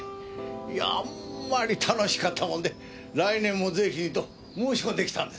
いやあんまり楽しかったもんで来年もぜひにと申し込んできたんです。